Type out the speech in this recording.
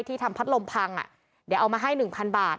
ที่ทำพัดลมพังอ่ะเดี๋ยวเอามาให้หนึ่งพันบาท